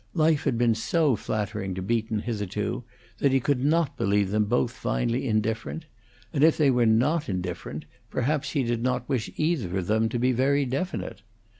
Life had been so flattering to Beaton hitherto that he could not believe them both finally indifferent; and if they were not indifferent, perhaps he did not wish either of them to be very definite.